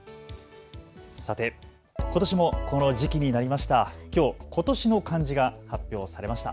さて、ことしもこの時期になりました。